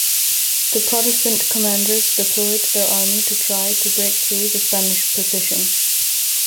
The Protestant commanders deployed their army to try to break through the Spanish position.